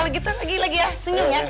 kalau gitu lagi lagi ya senyum ya